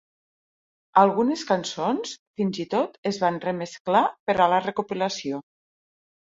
Algunes cançons fins i tot es van remesclar per a la recopilació.